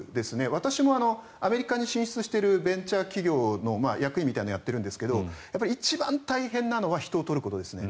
私もアメリカに進出しているベンチャー企業の役員みたいなのをやっているんですが一番大変なのは人を採ることですね。